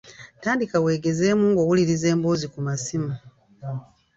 Tandika wegezeemu ng'owuliriza emboozi ku masimu